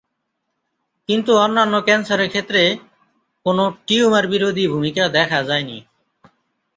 কিন্তু অন্যান্য ক্যান্সারের ক্ষেত্রে কোনো টিউমার-বিরোধী ভূমিকা দেখা যায়নি।